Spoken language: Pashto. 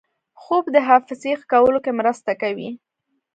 خوب د حافظې ښه کولو کې مرسته کوي